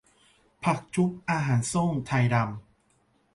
ผักจุบ อาหารโซ่ง ไทดำ